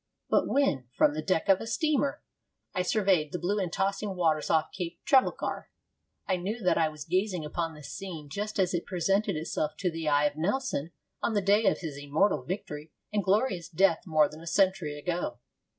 But when, from the deck of a steamer, I surveyed the blue and tossing waters off Cape Trafalgar, I knew that I was gazing upon the scene just as it presented itself to the eye of Nelson on the day of his immortal victory and glorious death more than a century ago.